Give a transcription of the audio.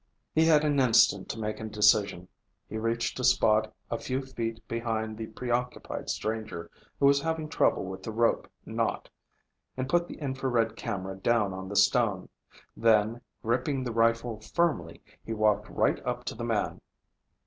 He had an instant to make a decision. He reached a spot a few feet behind the preoccupied stranger, who was having trouble with the rope knot, and put the infrared camera down on the stone. Then, gripping the rifle firmly, he walked right up to the man.